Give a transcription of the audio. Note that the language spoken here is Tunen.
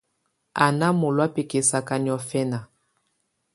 Á́ ná mɔ̀lɔá bɛkɛsaka niɔ̀fɛna.